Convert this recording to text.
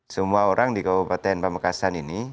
semua orang di kabupaten pak mekasan ini